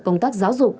công tác giáo dục